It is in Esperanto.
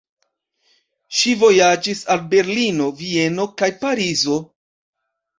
Ŝi vojaĝis al Berlino, Vieno kaj Parizo.